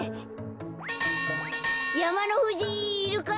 やまのふじいるか？